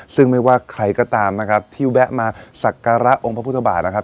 ซึ่งไม่ว่าใครก็ตามนะครับที่แวะมาสักการะองค์พระพุทธบาทนะครับ